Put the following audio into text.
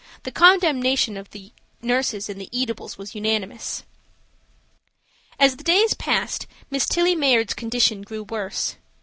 The condemnation of the nurses and the eatables was unanimous. As the days passed Miss Tillie Mayard's condition grew worse.